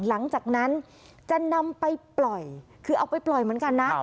หลังจากนั้นจะนำไปปล่อยคือเอาไปปล่อยเหมือนกันนะ